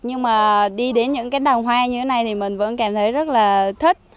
nhưng mà đi đến những cánh đồng hoa như thế này thì mình vẫn cảm thấy rất là thích